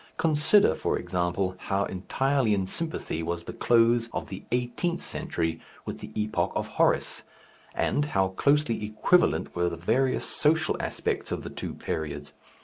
Consider, for example, how entirely in sympathy was the close of the eighteenth century with the epoch of Horace, and how closely equivalent were the various social aspects of the two periods.